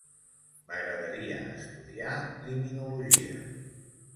M'agradaria estudiar Criminologia.